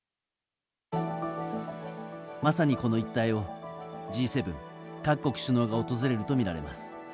まさにこの一帯をＧ７各国首脳が訪れるとみられます。